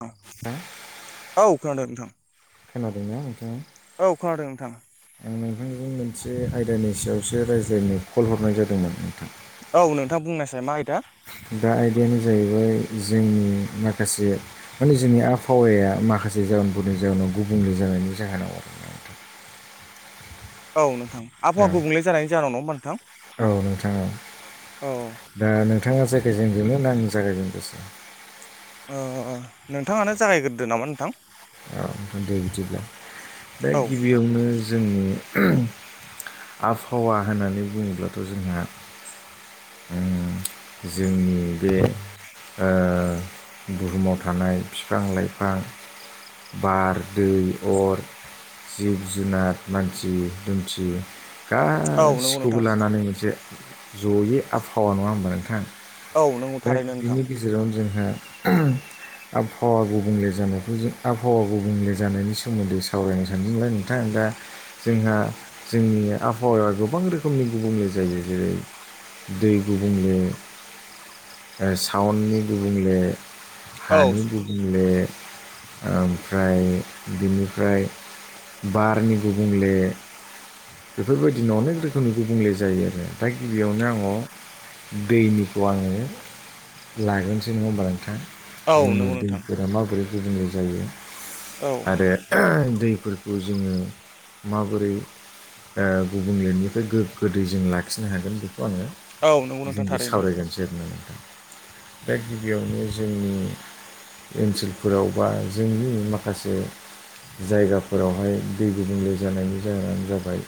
औ ह खोनादों नोंथां खोनादोंना नोंथाङा औ खोनादों नोंथाङा आं नोंथांजों मोनसे आयदानि सायावसो रायज्लायनो कल हरनाय जादोंमोन नोंथां औ नोंथां बुंनोसै मा आयदा दा आयदायानो जाहैबाय जोंनि माखासे माने जोंनि आबहावाया माखासे माखासे जाहोनफोरनि जाहोनाव गुबुंले जानायनि जाहोनाव आरो औ नोंथां आबहावा गुबुंले जानाय जाहनाव नङ औ नोंथाङा औ दा नोंथाङा जायगााज बेमोन न आं जागा गोसो अ नोंथाङानो जागायग्रोदो नामा नोंथां औ दे बिदिब्ला दा औ नोंथां गिबियावनो जोंनि आबहावा होननानै बुङोब्लाथ' जोंहा जोंनि बे बुहुमाव थानाय बिफां लाइफां बार दै अर जिब जुनार मानसि दन्थियो औ नंगौ गासिखौबो नोंथां लानानै मोनसे जयो आबहावा नङा होनोमबा नोंथां औ नंगौ दा थारैनो नोंथां बिनि गेजेरावनो जोंहा आबहावा गुबुंले जानायखौ जों आबहावा गुबुंले जानायनि सोमोन्दै सावरायनो सानदोंब्ला नोंथां दा जोंहा जोंनि आबहावाया गोबां रोखोमनि गुबुंले जायो जेरै दै गुबुंले सावनि गुबुंले औ हानि गुबुंले ओमफ्राय बिनिफ्राय बारनि गुबुनले बेफोरबायदिनो अनेक रोखोमनि गुबुंले जायो आरो दा गिबियावनो आंडो़ दैनिखौ आङो लागोनसो नङा होमबा नोंथां औ जोंनि नंगौ नोंथां दैफोरा माबोरै गुबुंले जायो औ आरो दैफोरखौ जोङो माबोरै गुबुंलेनिफ्राय गोगो दै जों लाखिनो हागोन बेखौ आङो औ नंगौ नोंथां बिजोंबो थारैनो सावरायगोनसै होननानै दा गिबियावनो जोंनि ओनसोलफोराव बा जोंनि माखासे जायगाफोरावहाय दै गुबुंले जानायनि जाहोनानो जाबाय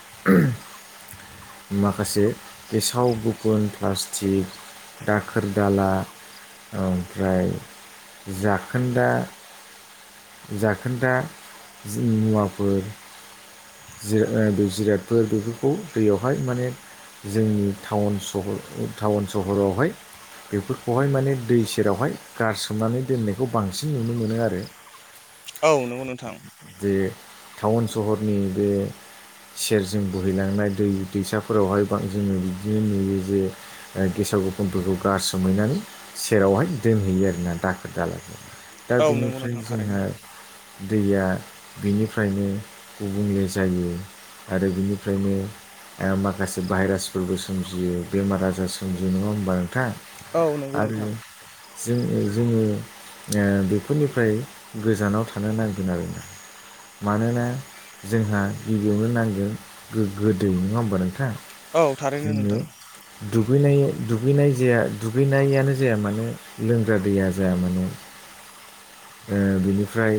माखासे गेसाव गोफोन प्लास्टिक दाखोर दाला ओमफ्राय जाखोनदा जाखोनदा जि मुवाफोर जिरादफोर बेफोरखौ दैयावहाय माने जोंनिटाउन सहर टाउन सहरावहाय बेफोरखौहाय माने दै सेरावहाय गारसोमनानै दोननायखौ बांसिन नुनो मोनो आरो औ नंगौ नोंथां जे टाउन सहरनि बे सेरजों बोहैलांनाय दै दैसाफोरावहाय जोङो बिदिनो नुयो जे गेसाव गोफोनफोरखौ गारसोमहैनानै सेरावहाय दोनहैयो आरोना दाखोर दालाखौ दा औ नंगौ बिनिफ्राय नोंथां थारैनो जोंहा दैया बेनिफ्रायनो गुबुंले जायो आरो बिनिफ्रायनो माखासे भाइरासफोरबो सोमजियो बेमार आजार सोमजियो नङा होमबा नोंथां औ नंगौ आरो नोंथां जों जोङो बेफोरनिफ्राय गोजानाव थानो नांगोन आरो मानोना जोंहा गिबियावनो नांगोन गोगो दै नङा होमबा नोंथां औ थारैनो नोंथां दगैनाय दुगैनाय जे दुगैनायानो जाया मानो लोंग्रा दैया जाया मानो ओ बिनिफ्राय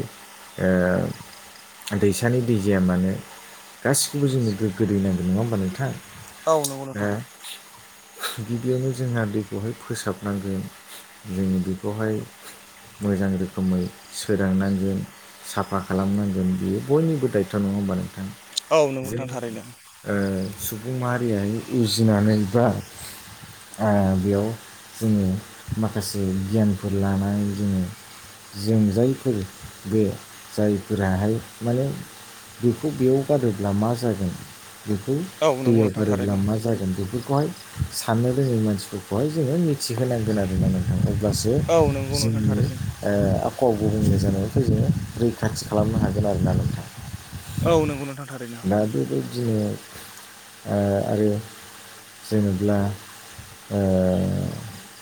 ओ दैसानि दै जाया मानो गासिखौबो जोंनो गोगो दै नांगौ नङा होमबा नोंथां औ नंगौ दा नोंथां गिबियावनो जोंहा दैखौहाय फोसाबनांगोन जों बेखौहाय मोजां रोख रोखोमै सोदांनांगोन साफा खालामनांगोन बियो बयनिबो दायथ' नङा होमबा नोंथां औ नंगौ नोंथां थारैनो जों सुबुं माहारियारि उजिनानै बा आ बेयाव जोङो माखासे गियानफोर लानानै जोङो जों जायफोर बे जायफोराहाय माने बेखौ बेयाव गारोब्ला मा जागोन बेखौ औ नंगौ दैयाव नोंथां गारोब्ला थारैनो मा जागोन बेफोरखौहाय साननो रोङै मानसिफोरखौहाय जोङो मिथिहोनांगोन आरोना नोंथां अब्लासो औ नंगौ नोंथां जोंनि थारैनो आबहावा गुबुंले जानायखौ जोङो रैखाथि खालामनो हागोन आरोना नोंथां औ नंगौ नोंथां थारैनो बिदिनो आरो जेनेब्ला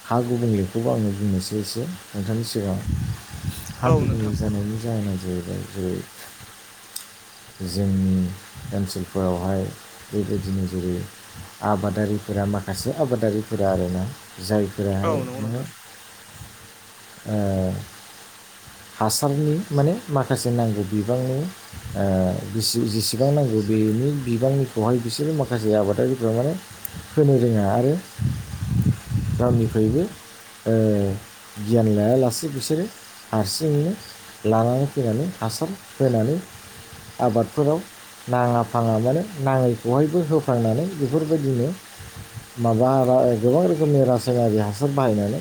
हा गुबुंलेखौबो आङो बुंनोसै एसे नोंथांनि सिगाङाव हा औ गुबुंले नोंथां जानायनि जाहोना जाहैबाय बै जोंनि ओनसोलफोरावहाय बेबायदिनो जेरै आबादारिफोरा माखासे आबादारिफोरा आरोना औ जायफोराहाय नंगौ माने नोंथां ओ हासारनि माने माखासे नांगौ बिबांनि जेसेबां नांगौ बेनि बिबांनिखौहाय बिसोरो माखासे आबादारिफ्रा माने होनो रोङा आरो गावनिफ्रायबो ओ गियान लायालासे बिसोर बिसोरो हारसिङैनो लानानै फैनानै हासार होनानै आबादफोराव नाङा फाङा मानो नाङैखौहायबो होफांनानै बेफोरबायदिनो माबा गोबां रोखोमनि रासायनारि हासार बाहायनानै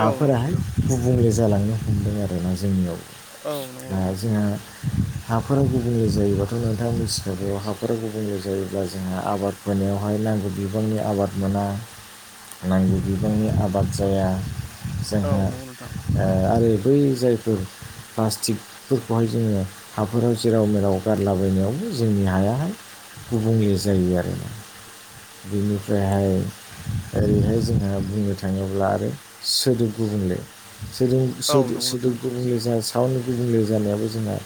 औ नंगौ नोंथां गुबुंले जालांनो हमदों आरोना जोंनियाव औ नंगौ ओ नोंथां जोंहा हाफोरा गुबुंले जायोबाथ' नोंथाङा मिथिखागौ हाफोरा गुबुंले जायोब्ला जोंहा आबाद फोनायावहाय नांगौ बिबांनि आबाद मोना नांगौ बिबांनि आबाद जाया औ जोंहा नंगौ नोंथां ओ आरो बै जायफोर प्लास्टिकफोरखौहाय जोङो हाफोराव जेराव मेराव गारलाबायनायावबो जोंनि हायाहाय गुबुंले जायो आरोना बेनिफ्रायहाय ओरैहाय जोंहा बुंनो थाङोब्ला आरो सोदोब गुबुंले [unintelligible] औ नंगौ नोंथां गुबुंले [unintelligible] जों सा [unintelligible] गुबुंले जानायाबो जोंना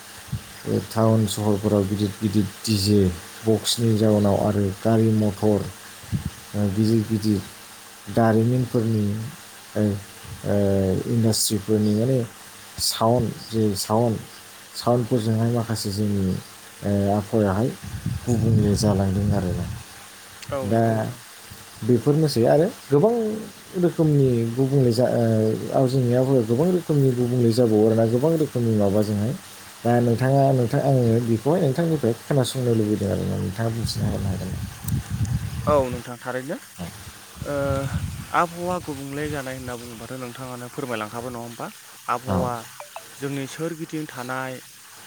टाउन सहरफोराव गिदिर गिदिर दिजे बक्सनि जाउनाव आरो गारि मथर ओ गिदिर गिदिर दारिमिनफोरनि इन्डास्ट्रिफोरनि माने साउन्ड जे साउन्ड साउनफोरजोंहाय माखासे जोंनि आबहावायाहाय गुबुंले जालांदों आरो औ औ नंगौ नोंथां बेफोरनोसै आरो गोबां रोखोमनि गुबुंले जा राव [unintelligible] जेंनायाब [unintelligible] गोबां रोखोमनि गुबुंले जाबावो आरोना गोबां रोखोमनि माबाजोंहाय दा नोंथाङा आङो बेखौ नोंथांनिफ्राय खोनासंनो लुबैदों आरो ना नोंथाङा मिथिनो हानो [unintelligible] हागोन औ नोंथां थारैनो ओ आबहावा गुबुंले जानाय होनना बुङोबाथ' नोंथाङानो फोरमायलांखाबाय नङा होनोमबा औ आबहावा जोंनि सोर गिदिं थानाय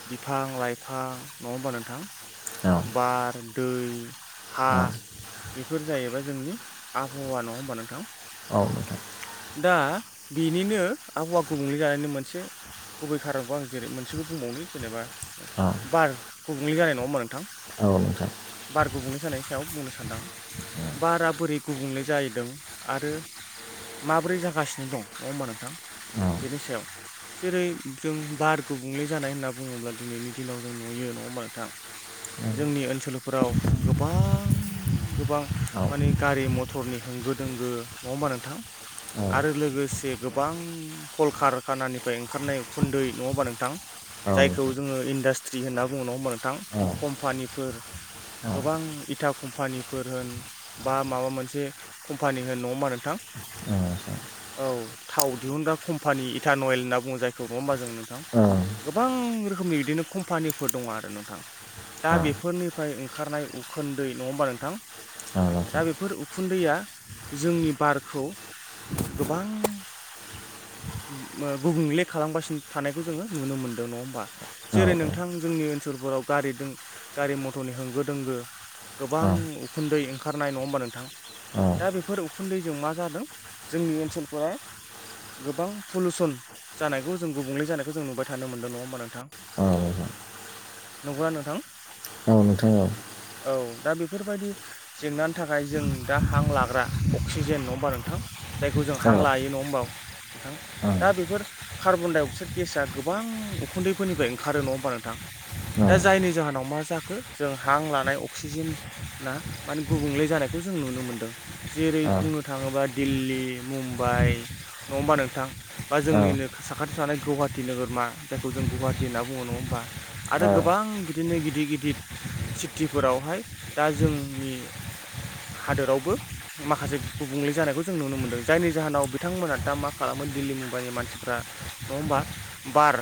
बिफां-लाइफां नङा होमबा नोंथां औ बार दै हा औ बेफोर जाहैबाय जोंनि आबहावा नङा होमबा नोंथां औ नोंथां दा बेनिनो आबहावा गुबुंले जानायनि मोनसे गुबै खारनखौ आं जेरै मोनसेखौ बुंबावनि जेनेबा औ बार गुबुंले जानाय नङा होनबा नों- औ बार गुबुंले जानायनि सायाव बुंनो सानदों बारा बोरै गुबुंले जाहैदों आरो माब्रै जागासिनो दं नङा होनबा नोंथां औ बेनि सायाव जेरै जों बार गुबुंले जानाय होनना बुङोब्ला दिनैनि दिनाव जों नुयो नङा होनबा नोंथां [inaudible] जोंनि ओनसोलफोराव गोबां गोबां औ माने गारि मथरनि होंगो दोंगो नङा होमबा नोंथां औ आरो लोगोसे गोबां कल-कारखानानिफ्राय ओंखारनाय उखुनदै नङा होनबा नोंथां नोंथां औ नोंथां औ जायखौ नोंथां जोङो इन्डास्ट्रि होनना बुङो नङा होनबा नोंथां औ कम्पानिफोर गोबां इटा कम्पानिफोर होन बा माबा मोनसे कम्पानि होन नङा होनबा नोंथां ओ ओ औ थाव दिहुनग्रा कम्पानि इटान अइेल होनना बुङो जायखौ नङा होमबा जों नोंथां गोबां रोखोमनि कपानिफोर दङ' आरो नोंथां दा बेफोरनिफ्राय ओंखारनाय उखोनननदै नङा होनबा नोंथां दा औ बेफोर उखुन्दैया जोंनि बारखौ गोबां गुबुंले खालामगासिनो थानायखौ जोङो नुनो मोनदों। दों नङा होमबा जेरै नोंथां जोंनि ओनसोलफोराव गारि गारि मथरनि होंगो दोंगो गोबां उखुन्दै ओंखारनाय नङा होमबा नोंथां दा बेफोर उखुन्दैजों मा जादों जोंनि ओनसोलफोरा गोबां पलुसन जानायखौ जों गुबुंले जानायखौ जों नुबाय थादों थानो मोनदों नङा होमबा नोंथां अ नंगौना नोंथां औ नोंथां औ औ दा बेफोरबायदि जेंनानि थाखाय जों दा हां लाग्रा अक्सिजेन नङा होमबा नोंथां जायखौ जों हां लायो नङा होमबा नोंथां दा बेफोर कार्बन डाइ अक्साइद गेसा गोबां उखुन्दैफोरनिफ्राय ओंखारो नङा होमबा नोंथां दा जायनि जाहोनाव मा जाखो जों हां लानाय अक्सिजेन ना माने गुबुंले जानायखौ जों नुनो मोनदों जेरै बुंनो थाङोबा दिल्ली मुम्बाइ नङा होनबा नोंथां बा औ औ जोंनिनो साखाथियाव थानाय गुवाहाटटि नोगोर मा जायखौ जों गुवाहाटी होननानै बुङो आरो औ गोबां बिदिनो गिदिर गिदिर सिटी फोरावहाय दा जोंनि हादोरावबो माखासे गुबुंले जानायखौ जों नुनो मोनदों जायनि जाहोनाव बिथांमोना दा मा खालामो दिल्ली मुम्बाइनि मानसिफोरा नङा होनबा बा बार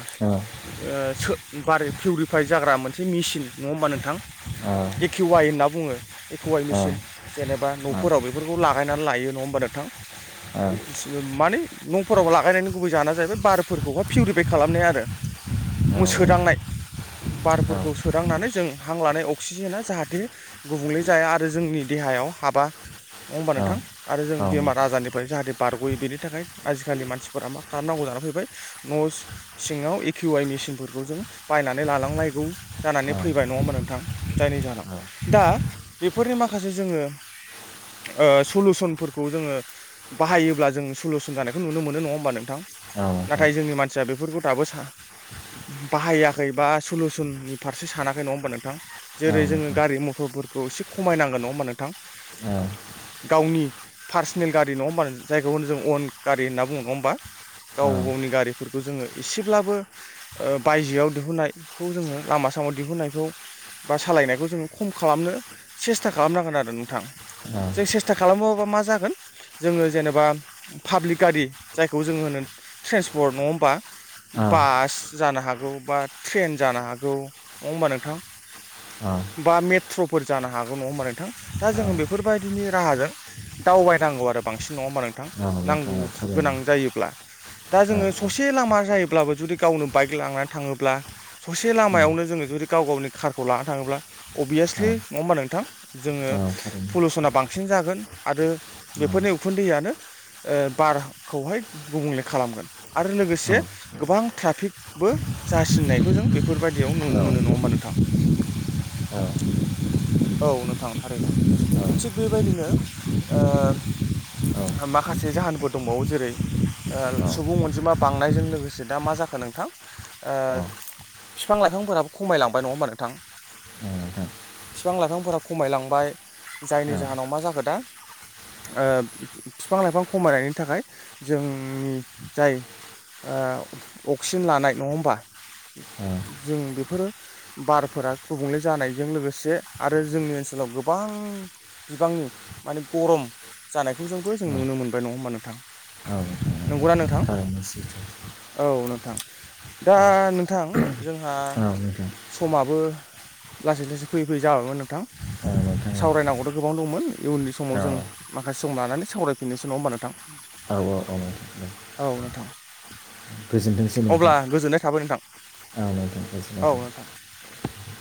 बार पिउरिफाइ जाग्रा मोनसे मेसिन नङा होमबा नोंथां एकेवाइ होनना बुङो एकेवाइ मेसिन जेनेबा न'फोराव बेफोरखौ लागायनानै लायो नङा होमबा नों - -थां माने न'फोराव लागायनायनि गुबै जाना जाहैबाय बारफोरखौहाय पिउरिफाइ खालामनाय आरो सोदांनाय बारफोरखौ सोदांनानै जों हां लानाय अक्सिजेना जाहाथे गुबुंले जाया आरो जोंनि देहा हायाव हाबा नङा होमबा नोंथां आरो जों बेमार आजारनि जाहाथे बारग'यो बेनि थाखाय आजिखालि मानसिफोरा मा खालामनांगौ जानानै फैबाय न' सिङाव किउ आइ मेसिनफोरखौ जों बायनानै लानांलायगौ जानानै फैबाय नङा होमबा नोंथां जायनि जाहोनाव दा बेफोरनि माखासे जोङो सलुसनफोरखौ खौ जोङो बाहायोब्ला जों सलुसन जानायखौ नुनो मोनो नङा होमबा नोंथां नाथाय जोंनि मानसिया बेफोरखौ दाबो सा- बाहायाखै बा सलुसननि फारसे सानाखै नङा होमबा नोंथां जेरै जोङो गारि मथर फोरखौ एसे खमायनांगोन नङा होमबा नोंथां गावनि पार्सनेल गारि नङा होमबानो जायखौ जों अन गारि होनना बुङो नङा होनबा गाव गावनि गारिफोरखौ जोङो एसेब्लाबो बायजोआव दिहुननायखौ जोङो लामा आसामाव दिहुननायखौ बा सालायनायखौ जोंङो खम खालामनो सेस्था खालामनांगोन आरो नोंथां औ जों सेस्था खालामोबा मा जागोन जोङो जेनेबा पाब्लिक गारि जायखौ जोङो होनो ट्रेन्सपर्ट नङा होमबा बास जानो हागौ बा ट्रेन जानो हागौ नङा होमबा नोंथां बा मेट्र'फोर जानो हागौ नङा होमबा नोंथां दा जोङो बेफोरबायदिनि राहाजों दावबायनांगौ आरो बांसिन नङा होमबा नोंथां नांगौ गोनां जायोब्ला अब्लाबो जुदि गावनो बाइक लांनानै थाङोब्ला ससे लामायावनो जोङो जुदि गाव गावनि कारखौ लानानै थाङोब्ला अभियासलि नङा होमबा नोंथां जोङो पलिुसना बांसिन जागोन आरो बेफोरनि उखुन्दैयानो बारखौहाय गुबुंले खालामगोन आरो लोगोसे गोबां ट्राफिकबो जासिननायखौ जों बेफोरबायदियाव नुनो मोनो नङा होमबा नोंथां औ औ नोंथां थारैनो थिग बेबायदिनो ओ माखासे जाहोनफोर दंबावो जेरै ओ सुबुं अनजिमा बांनायजों लोगोसे दा मा जाखो नोंथां ओ बिफां लाइफांफोराबो खमायलांबाय नङा होमबा नोंथां बिफां लाइफांफोरा खमायलांबाय जायनि जाहोनाव मा जाखो दा ओ बिफां लाइफां खमायनायनि थाखाय जोंनि जाय ओ अक्सिजेन लानाय नङा होमबा जों बेफोरो बारफोरा गुबुंले जानायजों लोगोसे आरो जोंनि ओनसो लाव गोबां बिबांनि माने गरम जानायखौ जोंबो जों नुनो मोनबाय नङा होमबा नोंथां नंगौना नोंथां औ नोंथां दा नोंथां जोंहा समाबो लासै लासै फैयै फैयै जाबायमोन नोंथां सावरायनांगौथ' गोबां दंमोन इयुननि समाव जों माखासे सम लानानै सावरायफिनसो नङा होमबा नोंथां औ औ औ [unintelligible] अब्ला गोजोननाय थाबाय नोंथां औ नोंथां गोजोननाय औ थाबाय नोंथां